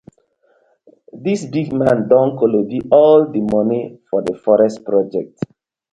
Dis big man don kolobi all di moni for di forest project.